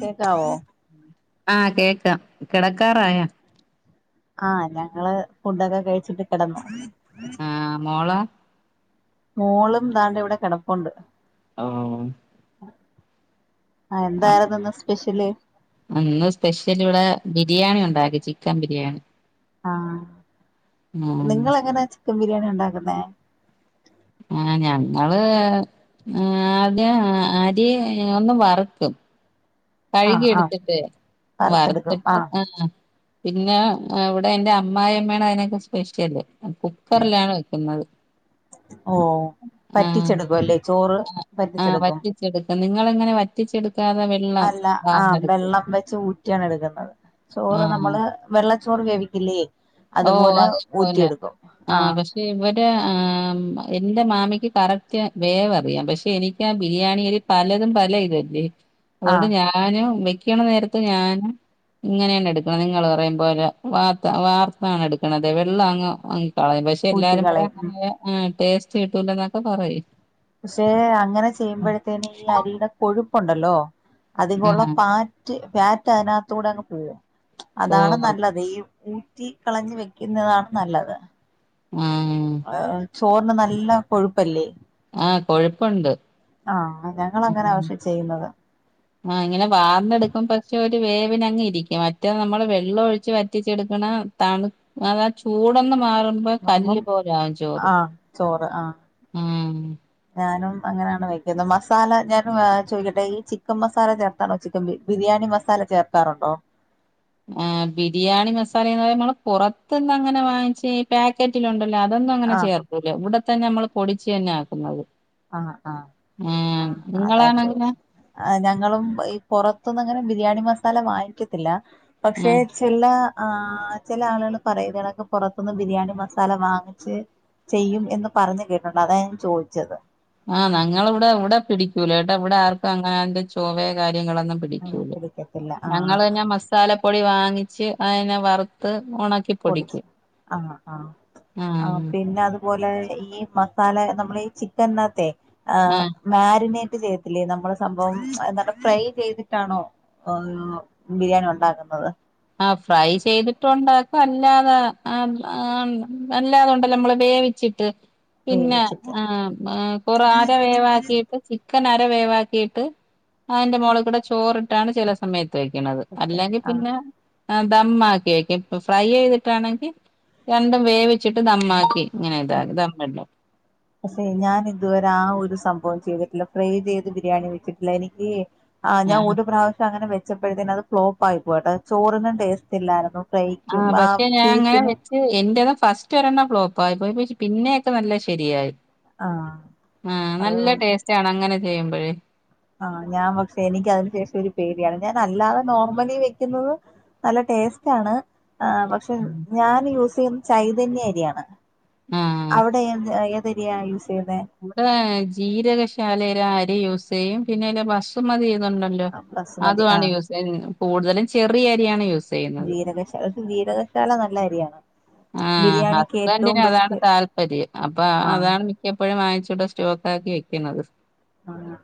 കേക്കാവോ ആഹ് കേക്കാം കെടക്കാറായാ ആഹ് ഞങ്ങള് ഫുഡൊക്കെ കഴിച്ചിട്ട് കെടന്നു ആഹ് മോളോ മോളും ദാണ്ടിവിടെ കെടപ്പൊണ്ട് ആഹ് ആഹ് എന്താര്ന്ന് സ്പെഷ്യല് ഇന്ന് സ്പെഷ്യൽ ഇവിടെ ബിരിയാണി ഉണ്ടാക്കി ചിക്കൻ ബിരിയാണി ആഹ് ആഹ് നിങ്ങളെങ്ങനാ ചിക്കൻ ബിരിയാണി ഉണ്ടാക്കുന്നേ ആഹ് ഞങ്ങള് ആദ്യം അരി ഒന്ന് വറുക്കും ആഹ് കഴികി ആഹ് എടുത്തിട്ട് വറ്ത്തിട്ട് ആഹ് പിന്ന ആഹ് ഇവിടെ ന്റെ അമ്മായിമ്മയാണ് അയിനൊക്കെ സ്പെഷ്യല് മ്മ് കുക്കറിലാണ് വെക്കുന്നത് ഓഹ് ആഹ് പറ്റിച്ചെടുക്കുവല്ലേ ചോറ് പറ്റിച്ചെടുക്കും - നിങ്ങളെങ്ങനെ വറ്റിച്ചെടുക്കാത അല്ല ആഹ് വെള്ളം വെച്ച് ഊറ്റ്യാണ് എടുക്കുന്നത് ചോറ് ആഹ് നമ്മള് വെള്ളച്ചോറ് വേവിക്കില്ലേ അതുപോല ഊറ്റി എടുക്കും ആഹ് ഇവട ആഹ് എൻ്റ മാമിക്ക് കറക്റ്റ് വേവ് അറിയാം പെശ്ശെ എനിക്ക ബിരിയാണിയരി പലതും പല ഇതല്ലേ അതൊണ്ട് ആഹ് ഞാനും വെക്കണ നേരത്ത് ഞാനും ഇങ്ങനേണ് എടുക്കണ നിങ്ങള് പറയും പോല വാർത്ത വാർ ആണ് എടുക്കണത് വെള്ളം അങ്ങ് അങ്ങ് കളയും പെശ്ശെ എല്ലാരും പറ ഊറ്റിക്കളയും ഉം അങ്ങനെ ആഹ് ടേസ്റ്റ് കിട്ടൂല്ലന്നൊക്കെ പറയും ശ്ശേ അങ്ങനെ ചെയ്യുമ്പോഴത്തേന് ഈ അരിയിടെ കൊഴുപ്പൊണ്ടല്ലോ അതിക് ഒള്ള ആഹ് പാ റ്റ് ഫാറ്റ് അതിനാത്തൂടങ്ങ് പോഉം അതാണ് ഓഹ് നല്ലത് ഈഊ തീ കളഞ്ഞ് വെക്കുന്നതാണ് നല്ലത് ഉം ആ ചോറിന് നല്ല കൊഴുപ്പല്ലേ ആഹ് കൊഴുപ്പുണ്ട് ആഹ് ഉം ഞങ്ങളങ്ങനാ പക്ഷെ ചെയ്യുന്നത് ആഹ് ഇങ്ങനെ വാർന്നെടുക്കും പക്ഷെ ഒരു വേവിനങ്ങിരിക്കും മറ്റേ നമ്മള് വെള്ളം ഒഴിച്ച് വറ്റിച്ചെടുക്കണം തണും അത് ആ ചൂടൊന്ന് മാറും അപ്പം കല്ല് പോലാവും ചോറ് ആഹ് ചോറ് ആഹ് മ്മ് ഞാനും അങ്ങനാണ് വെക്കുന്ന മസാല ഞാനും ആ ചോയിക്കട്ടെ ഈ ചിക്കൻ മസാല ചേർ ണോ ചിക്കൻ ബി ബിരിയാണി മസാല ചേർക്കാറൊണ്ടോ മ്മ് ആഹ് ബിരിയാണി മസാലേന്ന് പറയ് നമ്മള് പുറത്ത്ന്ന് അങ്ങനെ വാങ്ങിച്ചി പാക്കറ്റിലിണ്ടല്ലോ അതൊന്നു അങ്ങന ആഹ് ചേർക്കൂല ഇവ്ടത്തന്ന മ്മള് പൊടിച്ച് തന്നാ ആക്കുന്നത് ആഹ് ആഹ് മ്മ് ആഹ് അതാ നിങ്ങളാണെങ്കിലാ ചോദിച്ച ആഹ് ഞങ്ങളും ഈ പുറത്ത്ന്നങ്ങന ബിരിയാണി മസാല വാങ്ങിക്കത്തില്ല പക്ഷേ ആഹ് ചെ ചെല്ല ആഹ് ചെല ആളുകള് പറയു ഇത്കണകക്ക് പുറത്തുന്ന് ബിരിയാണി മസാല വാങ്ങിച്ച് ചെയ്യും എന്ന് പറഞ്ഞ് കേട്ട്ട്ടൊണ്ട് അതാ ഞാൻ ചോയിച്ചത് ആഹ് ഞങ്ങളിവിട ഇവിട പിടിക്കൂലേട്ടാ ഇവിട ആർക്കും അങ്ങന ആയിന്റ ചൊവയ കാര്യങ്ങളൊന്നും പി ഉം ടിക്കൂല പിടിക്കത്തില്ല ആഹ് ഞങ്ങള് ന്നെ മസാലപ്പൊടി വാങ്ങിച്ച് അയിനെ വറുത്ത് ഒണക്കി പ്പോണ് ആഹ് ആഹ് ആഹ് പിന്നെ അത് അത് പോലെ ഈ മസാല നമ്മള് ഈ ചിക്കൻ ന്നായ്ത് ആഹ് മാരിനേറ്റ് ചെയ്ത്തില്ലേ നമ്മള് സംഭവം ഫ്രൈ ചെയ്തിട്ടാണോ ബിരിയാണി ഉണ്ടാക്കുന്നത് ആ ഫ്രൈ ചെയ്തിട്ടുണ്ടാക്കും അല്ലാതെ അല്ലാത ഉണ്ടല്ല നമ്മള് വേവിച്ചിട്ട് പിന്നെ വേവിച്ചിട്ട് കൊറ ആര വേവാക്കിട്ട് ചിക്കൻ അര വേവാക്കിയിട്ട് അതിന്റെ മോളെ കൂടെ ചോറിട്ടാണ് ചില സമയത്ത് തെയ്ക്കണത് അല്ലെങ്കിൽ ആഹ് പിന്നെ ആ ദമാക്കി വക്കെ ഇപ്പ ഫ്രൈ ചെയ്തിട്ടാണെങ്കിൽ രണ്ടും വേവിച്ചിട്ട് ദമാക്കി ങ്ങനെ ഇതാ ഉം തമ്മല്ല പക്ഷെ ഞാൻ ഇതുവരെ ആ ഒരു സംഭവം ചെയ്തിട്ടില്ല ഫ്രൈ ചെയ്ത് ബിരിയാണി വെച്ചിട്ടില്ല എനിക്ക് ആഹ് ഞാൻ ഒരു പ്രാവശ്യം അങ്ങനെ വെച്ചപ്പോഴത്തേന് അത് ഫ്ലോപ്പ് പോയിട്ടെ ചോറിനും ടേസ്റ്റ്ല്ലായിരുന്നു യിക്കും ആ പീസിനും എന്റെത ഫസ്റ്റ് ഒരെണ്ണം ഫ്ലോപ്പായി പോയി പിന്നെയക്കെ നല്ല ശരിയായി ആഹ് ആഹ് അത് നല്ല ടേസ്റ്റ് ആണ് അങ്ങനെ ചെയ്യുമ്പോഴേ ആഹ് ഞാൻ പക്ഷെ എനിക്ക് അതിന് ശേഷം ഒരു പേടിയാണ് ഞാൻ അല്ലാതെ നോർമലി വെക്കുന്നത് നല്ല ടേസ്റ്റ് ആണ് ആഹ് പക്ഷെ ഉം ഞാൻ യൂസ് ചെയ്യുന്ന ചൈതന്യ അരിയാണ് ആഹ് അവിടെ ത് അരിയാ യൂസ് ചെയ്ന്നെ ഇവിടെ ജീരകശാലയിൽ അരി യൂസ് ചെയ്യും പിന്നെ അല ബസുമതി ന്നുണ്ടല്ലോ ബസുമതി അതാണ് ആഹ് യൂസ് കൂടുതലും ചെറിയരിയാണ് യൂസ് ചെയ്യുന്നത് ജീരകശാല ജീരകശാല നല്ല അരിയാണ് ആഹ് ബിരിയാണിക്ക് ഏറ്റവും ഹസ്ബൻഡന് അതാണ് ബെസ്റ്റ് താല്പര്യം അപ്പൊ ആഹ് അതാണ് എപ്പോഴും വങ്ങച്ചോട്ട സ്റ്റോക്ക ആക്കി വെക്കണുന്നത് ആഹ്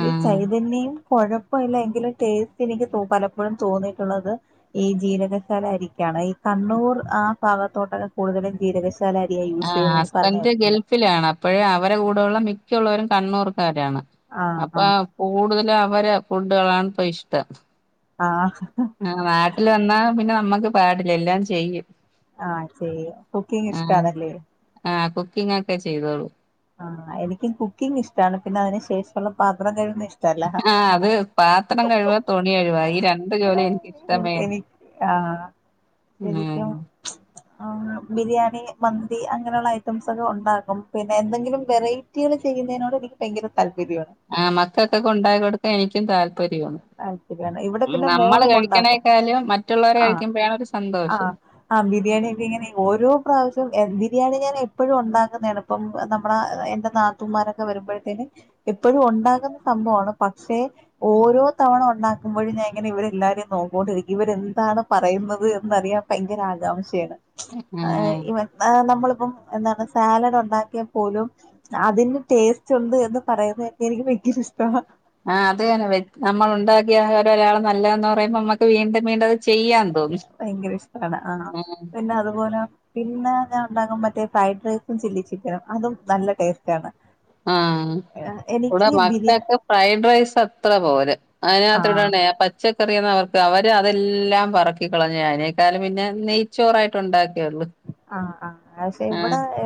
ഒരു ചൈതന്യം കൊഴപ്പല്ല എങ്കിലും ടേസ്റ്റ് എനിക്ക് പലപ്പോഴും തോന്നിയിട്ടുള്ളത് ഈ ജീരകശാല അരിക്കാണ് ഈ കണ്ണൂർ ആ ഭാഗത്തോട്ടൊക്കെ കൂടുതലും ജീരകശ ഷാലാ അരിയാ യൂസ് ചെയ്യുന്നത പറഞ്ഞഞ് കേട്ടിട്ടണ്ടോ ത്തിലാണ് അപ്പോഴേ അവരെടെ കൂടെയുള്ള മിക്കുള്ളവരും കണ്ണൂർക്കാരാണ് ആഹ് അപ്പൊ ആഹ് കൂടുതലും അവരെ ഫുഡുകളാണ് ഇപ്പ ഇഷ്ടം ആഹ് ആഹ് നാട്ടിൽ വന്നാ പിന്നെ നമ്മുക്ക് പാടില്ല എല്ലാം ചെയ്യും ആഹ് ചെയ്യും കുക്കിംഗ് ആഹ് ഇഷ്ടണല്ലേ ആഹ് കുക്കിംഗ ഒക്കെ ചെയ്തോളൂ ആഹ് എനിക്ക് കുക്കിംഗ് ഇഷ്ടമാണ് പിന്നെ അതിനു ശേഷമുള്ള പാത്രം കഴിയും ഇഷ്ട ആഹ് അത് പാത്രം കഴിവ തുണി കഴിവ ഈ രണ്ട് ജോലി എനക്ക്ഷ്ടമേല്ല എനിക്ക് ആഹ് ഉം ശരിക്കും ആഹ് ബിരിയാണി മന്തി അങ്ങനെയുള്ള ഐറ്റംസ് ഒക്കെ ഉണ്ടാക്കും പിന്നെ എന്തെങ്കിലും വെറൈറ്റികൾ ചെയ്യുന്നതിനോട് എനിക്ക് ഭയങ്കര താല്പര്യമാണ് ആ മക്കൊക്കൊക്കെ ഉണ്ടായി കൊടുക്കാ എനിക്കും താല്പര്യംമാണ് താല്പര്യമാണ് ഇവിടെ പിന്നെ നമ്മള് മോളും ഉണ്ടാക്കും കഴിക്കണേക്കാളും മറ്റുള്ളവരെ കഴിക്കുമ്പോഴണ ഒരു സന്തോഷം ആഹ ബിരിയാണി ഒക്കെ ഇങ്ങനെ ഓരോ പ്രാവശ്യവും ബിരിയാണി ഞാൻ എപ്പോഴും ഉണ്ടാക്കുന്നതാണ് ഇപ്പം നമ്മുടെ എന്റെ നാത്തുമാരൊക്കെ വരുമ്പോഴത്തേന് എപ്പോഴും ഉണ്ടാകുന്ന സംഭവമാണ് പക്ഷെ ഓരോ തവണ ഉണ്ടാക്കുമ്പോഴും ഞാൻ ഇങ്ങനെ ഇവരെല്ലാരെയും നോക്കൊണ്ടിരിക്കും ഇവരെ എന്താണ് പറയുന്നത് എന്നറിയാം ഭയങ്കര ആകാംക്ഷയാണ് അ ആ ഉം ഇവ ആ നമ്മളിപ്പം എന്താണ് സാലഡ് ഒണ്ടാക്കിയാ പോലും അതിന്ന് ടേസ്റ്റ് ഉണ്ട് എന്ന് പറയുന്നക്കെ എനിക്ക് ഭയങ്കര ഇഷ്ടാ ആ അത് എന്നെ നമ്മള് ഉണ്ടാക്കിയ ആഹാരം ഒരാള് നല്ലതെന്ന് പറയുമ്പൊ നമ്മക്ക് വീണ്ടും വീണ്ടും അത് ചെയ്യാ തോന്നും ഭയങ്കര ഇഷ്ടാണ് ആ ഉം പിന്നെ അത്പോല പിന്നെ ഞാൻ ഉണ്ടാകും മറ്റെ ഫ്രൈഡ് റൈസും ചില്ലി ചിക്കനും അതും നല്ല ടേസ്റ്റാണ് ആ ഇവടെ എനിക്ക് ബിരിയാ മക്കക്ക് ഫ്രൈഡ് റൈസ് അത്ര പോര അയിനകത്ത് ആഹ് ഇട്ണെപ ച്ചക്കറിയുന്നവർക്ക് അവര് അതെല്ലാം പെറക്കിക്കളഞ്ഞ് അയിനെക്കാലും പിന്നെ നെയ്ച്ചോറായിട്ട് ഉണ്ടാക്കിയൊള്ളു ആ ആ അയ് ശെ ഇവടെ ഏ.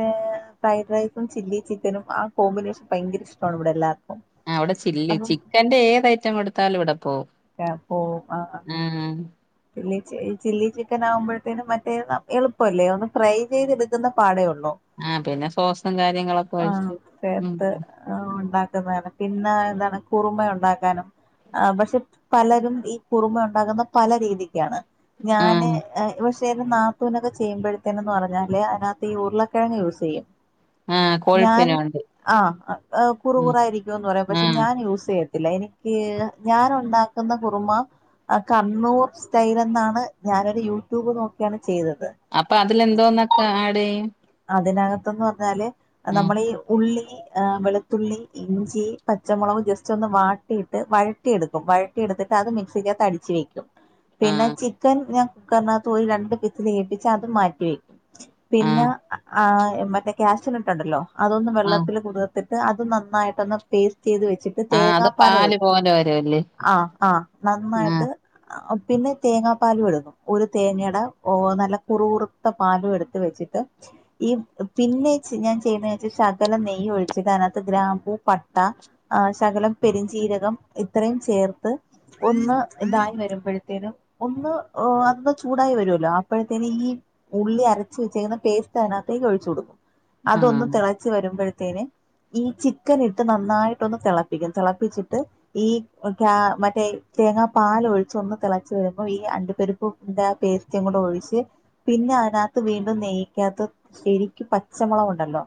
ഫ്രൈഡ് റൈസും ചില്ലി ചിക്കനും ആ കോമ്പിനേഷൻ ഭയങ്കര ഇഷ്ട്ടാണ് ഇവടെ എല്ലാർക്കും ആ ഇവടെ ചില്ലി. ചിക്കന്റെ ഏത് ഐറ്റം കൊടുത്താലും ഇവടെ പോവും ഏ പോവും. ആ ആ ആഹ് ചില്ലി ചി ഈ ചില്ലി ചിക്കനാവുമ്പഴത്തേനും മറ്റെ എള്പ്പവല്ലെ ഒന്ന് ഫ്രൈ ചെയ്തെടുക്കുന്ന പാടെ ഒള്ളു ആ പിന്നെ സോസും കാര്യങ്ങളൊക്കെ ഒഴിച്ച് ഉം അ ഉണ്ടാക്കുന്നാണ് പിന്നെ എന്താണ് കുറുമയുണ്ടാക്കാനും ആ പഷെ. പലരും ഈ കുറുമ ഒണ്ടാക്കുന്ന പല രീതിക്കാണ് ഞാന് ആഹ് ഏ വഷ് ത്തേരു നാത്തൂനൊക്ക ചെയ്യുമ്പഴത്തീനുംന്ന് പറ്ഞ്ഞാല് അതിനകത്ത് ഈ ഉരുളക്കിഴങ് യൂസെയ്യും ആഹ് ഞാൻ കൊഴുപ്പിന് വേണ്ടി ആ ഹ് കുറ ഉം കുറായിരിക്കോന്ന് പറയും പക്ഷെ ആഹ് ഞാൻ യൂസെയ്യും ഇല്ല എനിക്ക് ഞാനുണ്ടാക്ക്ന്ന കുറുമ അ കണ്ണൂർ സ്റ്റൈലെന്നാണ് ഞാനൊര് യൂട്യൂബ് നോക്ക്യാണ് ചെയ്തത് അപ്പൊ അതിലെന്തോന്നൊക്കെ ആഡെയ്യും അതിനകത്ത്ന്ന് പറഞ്ഞാല് ഉം നമ്മളീ ഉള്ളി ആ വെളുത്തുള്ളി ഇഞ്ചി പച്ചമുളക് ജസ്റ്റൊന്ന് വാട്ടിയിട്ട് വഴറ്റിയെടുക്കും വഴ റ്റിയെടുത്തിട്ട് അത് മിക്സിക്കകത്ത് അടിച്ച് വെക്കും പിന്നെ ആഹ് ചിക്കൻ ഞാൻ കുക്കർനകത്ത് ഒര് രണ്ട് പിസില് കേപ്പിച്ച് അതും മാറ്റി വെക്കും പിന്ന ആഹ് ആ മറ്റെ ക്യാഷനട്ടുണ്ടല്ലൊ അതൊന്ന് ആഹ് വെള്ളത്തിൽ കുതിർ ത്തിട്ട് അത് നന്നായിട്ടൊന്ന് പേസ്റ്റീത് വെച്ചി ട്ട് ആഹ് അത് പാല് തേങ്ങാപ്പാലെടുക്കും പോലെ വരുവല്ലേ ആ ആ ആഹ് നന്നായിട്ട് പിന്നെ തേങ്ങാപ്പാലും എട്കും ഒര് തേങ്ങടെ ഓനല്ല കുറ് കുറുത്ത പാലു എടുത്ത് വെച്ചിട്ട് ഈ പിന്നെ ചി ഞാൻ ചെയ്യുന്നെയ് ച്ച ശകലം നെയ്യ് ഒഴ്ച്ചിട്ട് അതിനകത്ത് ഗ്രാമ്പൂ പട്ട ആ ശകലം പെരിഞ്ചീരകം ഇത്രയും ചേർത്ത് ഒന്ന് ഇതായി വരുമ്പഴ ത്തിനും. ഒന്ന് ഓ അന്ന് ചൂടായി വരുവല്ലൊ അപ്പഴത്തീന് ഈ- ഉള്ളി അരച്ച് വെച്ചേക്ക്ന്ന പേസ്റ്റ് അതിനകത്തേക്ക് ഒഴിച്ച് കൊടുക്കും അതൊന്ന് ആഹ് തെളച്ചു വരുമ്പഴത്തീന് ഈ ചിക്കനിട്ട് നന്നായിട്ടൊന്ന് തെളപ്പിക്കണം തെളപ്പിച്ചിട്ട് ഈ ക്യാ മറ്റെ തേങ്ങാ പാല് ഒഴിച്ചൊന്ന് തെളച്ചു വരുമ്പൊ ഈ അണ്ടിപരിപ്പും ഇതാ പേസ്റ്റും കുടെ ഒഴിച്ച് പിന്ന അതിനകത്ത് വീണ്ടും നെയ്ക്കകത്ത് ശരിക്കും പച്ചമൊളകുണ്ടല്ലൊ?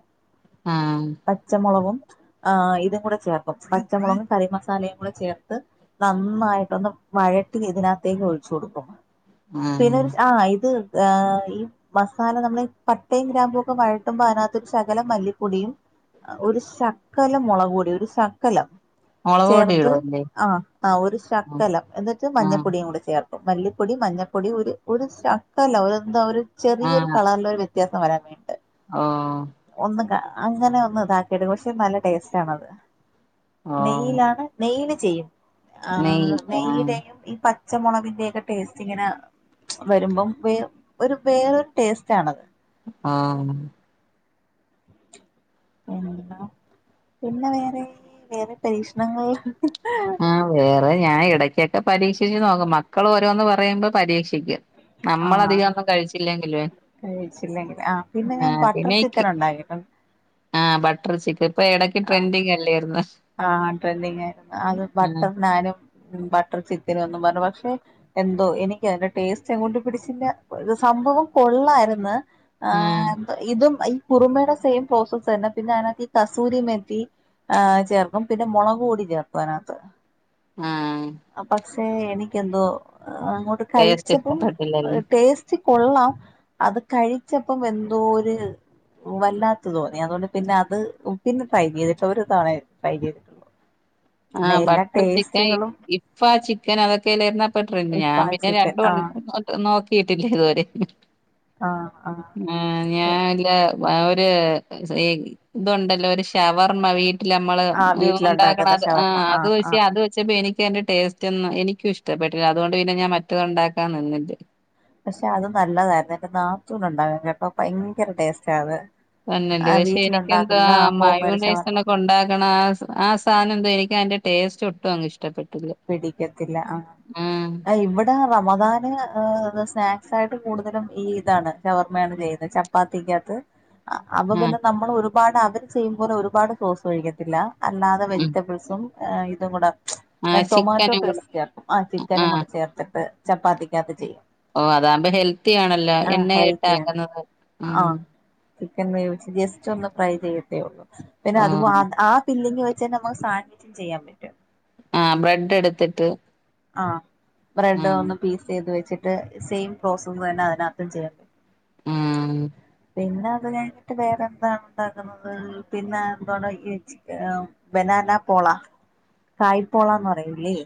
ആ പച്ചമൊളകും ആ ഇതും കുടെ ചേർക്കും പച്ചമൊളകും കറിമസാലയും കുടെ ചേർത്ത് നന്നായിട്ടൊന്ന് വഴ റ്റി ഇതിനകത്തേക്ക് ഒഴിച്ചു കൊടുക്കും. ആഹ് പിന്നൊര് ആ ഇത് ഏ ഈ മസാല നമ്മള് പട്ടേ ഗ്രാമ്പൊക്ക വഴട്ടുമ്പൊ അതിനകത്തൊര് ശകലം മല്ലിപ്പൊടിയും ഒര് ശക്കലം മൊളക്ക്പൊടി ഒര് ശക്കലം മുളക് പൊടി ചേർത്ത് ഇടുവല്ലേ ആഹ് ആഹ് ഒര് ആഹ് ശകലം എന്നിട്ട് ആഹ് മഞ്ഞപ്പൊടി കൂടെ ചേർക്കും മല്ലിപ്പൊടി മഞ്ഞപ്പൊടി ഒര് ഒര് ശകലം ഒര് എന്തൊ ഒരു ചെറിയൊര് കളർല് വ വ്യത്യാസം വരാൻ വേൺട്ട് ആഹ് ഓഹ് ഒന്ന് കാ അങ്ങനെ ഒന്ന് ഇതാക്കിയെട് പക്ഷേ നല്ല ടേസ്റ്റാണത് ഓഹ് നെയ്യിലാണ് നെയ്യ്ല് ചെയ്യും നെയ്യ് ആഹ് ആഹ് നെയ്യിലേയും ഈ പച്ചമൊളകിന്റേക്ക ടേസ്റ്റ് ഇങ്ങന വരുമ്പം വേ ഒരു വേറൊര് ടേസ്റ്റാണത് ആഹ് പിന്നെ വേറെ വേറെ പരീക്ഷണങ്ങൾ ആ വേറെ ഞാൻ ഇടക്കൊക്കെ പരീക്ഷിച്ച് നോക്കും മക്കൾ ഓരോന്ന് പറയുമ്പോ പരീക്ഷ ക്ഷിക്കും നമ്മൾ ആഹ് അധികം ഒന്നും കഴിച്ചില്ലെങ്കിലുവേ കഴിച്ചില്ലെങ്കിൽ ആ പിന്നെ ഞാൻ ആഹ് ബട്ടർ പിന്നെ ഈ കി ചിക്കൻ ഒണ്ടാക്കിട്ടോ ആഹ് ബട്ടർ ചിക്കൻ ഇപ്പോ ഇടക്ക് ആഹ് ട്രെൻഡിങ് അല്ലേയിരുന്ന ആഹ് ട്രെൻഡിങ് ആയിരുന്നു അത് ബട്ടർ നാനും ബട്ടർ ചിക്കനും എന്നും പറഞ്ഞു പക്ഷേ എന്തോ എനിക്ക് അതിന്റെ ടേസ്റ്റ് അങ്ങോട്ട് പിടിച്ചില്ല സംഭവം കൊള്ളാരുന്ന് ആഹ് ഇതും ഈ കുറുമയുടെ സെയിം പ്രോസസ് തന്നെ പിന്നെ അതിനകത്ത് ഈ കസൂരി മെത്തി ആഹ് ച ചേർക്കും പിന്നെ മുളക് കൂടി ചേർക്കും അതിനകത്ത് ആഹ് അപ്പോ പക്ഷേ എനിക്ക് എന്തോ അങ്ങോട്ട് ടേസ്റ്റ് കഴിച്ചപ്പം ഇഷ്ടപ്പെട്ടില്ലല്ലേ ടേസ്റ്റ് ച്ച് കൊള്ളാം അത് കഴിച്ചപ്പം എന്തോ ഒര് വല്ലാത്ത തോന്നി അതുകൊണ്ട് പിന്നെ അത് പിന്നെ ട്രൈ ചെയ്തിട്ട് ഒര് തവണേ ട്രൈ ചെയ്തിട്ടുള്ളു ആഹ് ബട്ടർ ചിക്കൻ ഇപ്പാ ആ ചിക്കൻ അതൊക്കെല്ലരുന്നോ ട്രെൻഡ് ഇപ്പ ഞാൻ പിന്നെ ചിക്കൻ രണ്ടു ആഹ് [unintelligible] നോക്കിയിട്ടില്ല ഇതുവരെ ആഹ് ആഹ് ആഹ് ഞാനല്ല ഒരു ഇതുണ്ടല്ലോ ഒരു ഷവർമ വിൽ വീട്ടിലമ്മള് ആഹ് ഒണ്ടാക്കണ വീട്ടിലുണ്ടാക്കുന്ന അത് ആ ഷവർമ്മ അത് ആഹ് വെച്ച് ആഹ് അത് വെച്ച് എനിക്കന്റെ ടേസ്റ്റ് റ്റന്നും എനിക്കും ഇഷ്ടപ്പെട്ടില്ല അതുകൊണ്ട് പിന്നെ ഞാൻ മറ്റത് ഒണ്ടാക്കാൻ നിന്നില്ല പക്ഷേ അത് നല്ലതാരുന്നു എന്റെ നാത്തൂന് ഒണ്ടാക്കും കേട്ടോ ഭയങ്കര ടേസ്റ്റ അത് തന്നല്ലേ ആഹ് പക്ഷേ എനിക്ക് എന്താ ആ വീട്ടിലുണ്ടാക്കുന്ന ഹോം മെയ്ഡ് ഷവർമ്മ മയോണൈസനൊക്കെ ഉണ്ടാക്കണ ആ ആ സാന ന്തോ എനിക്ക് അതിന്റെ ടേസ്റ്റ് ഒട്ടുംഅങ്ങ് ഇഷ്ടപ്പെട്ടില്ല പിടിക്കത്തില്ല ആഹ് ആഹ് ഇവടെ ടെ റമദാന് സ്നാക്സ് ആയിട്ട് കൂടുതലും ഈ ഇതാണ് ഷവർമ്മയാണ് ചെയ്യുന്നത് ച പ്പാത്തിക്കത്ത് അപ്പോ ആഹ് പിന്നെ നമ്മള് ഒരുപാട് അവര് ചെയ്യുമ്പോലെ ഒരുപാട് സോസ് ഒഴിക്കത്തില്ല അല്ലാതെ ഉം വെജിറ്റബിൾസും ഏഹ് ഇതും കൂടെ ആ ഞാൻ ടൊമാറ്റോ ചിക്കനും കൂടെ പേസ്റ്റ് ചേർക്കും ആ ചിക്കനും ആഹ് കൂടെ ചേർത്തിട്ട് ചപ്പാത്തിക്കത്ത് ചെയ്യും ഓഹ് അതാകുമ്പോ ഹെൽത്തിയാണല്ലോ ആ ഹെൽത്തിയാണ് എണ്ണായിട്ടക്കുന്നത് ഉം ആ ചിക്കൻ വേവിച്ച് ജസ്റ്റ് ഒന്ന് ഫ്രൈ ചെയ്യത്തേ ഒള്ളൂ പിന്നെ ഓ അതു അത് ആ ഫില്ലിംഗ് വെച്ചന്നെ നമുക്ക് സാൻവിച്ചും ചെയ്യാൻ പറ്റും ആഹ് ബ്രെഡ് എടുത്തിട്ട് ആഹ് ബ്രെഡ് ആഹ് ഒന്ന് പീസ് ചെയ്ത് വെച്ചിട്ട് ട്ട് സെയിം പ്രോസസ് തന്നെ അതിനകത്തും ചെയ്യാ ഉം പിന്നെ അത് കഴിഞ്ഞിട്ട് വേറെ എന്താണ് ഉണ്ടാക്കുന്നത് പിന്നെ എന്താണ് [unintelligible] എഹ് ബെനാന പോള കായ് പോളന്ന് പറയൂല്ലേ.